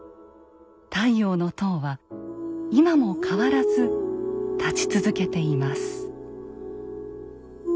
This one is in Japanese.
「太陽の塔」は今も変わらず立ち続けています。